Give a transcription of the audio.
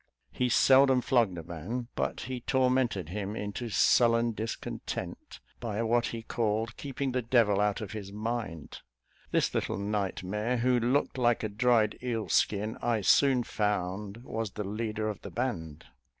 He seldom flogged a man; but he tormented him into sullen discontent, by what he called "keeping the devil out of his mind." This little night mare, who looked like a dried eel skin, I soon found was the leader of the band.